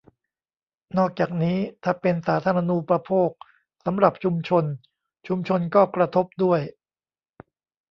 นอกจากนี้ถ้าเป็นสาธารณูปโภคสำหรับชุมชน ชุมชนก็กระทบด้วย